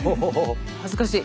恥ずかしい。